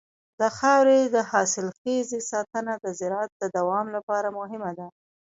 د خاورې د حاصلخېزۍ ساتنه د زراعت د دوام لپاره مهمه ده.